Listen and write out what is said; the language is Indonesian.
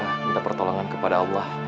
minta pertolongan kepada allah